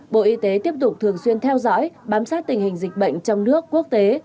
bộ y tế tiếp tục thường xuyên theo dõi bám sát tình hình dịch bệnh trong nước quốc tế